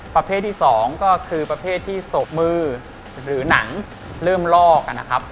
ประเภทที่๒ก็คือประเภทที่ศพมือหรือหนังเริ่มลอกนะครับ